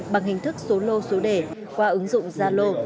bằng hình thức số lô số đề qua ứng dụng gia lô